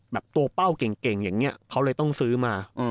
แบบตัวเป้าเก่งอย่างนี้เขาเลยต้องซื้อมา